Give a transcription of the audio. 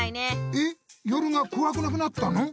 えっ夜がこわくなくなったの？